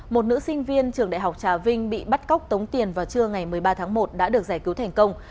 một nữ sinh viên trường đại học trà vinh bị bắt cóc tống tiền vào trưa ngày một mươi ba tháng một đã được giải cứu thành công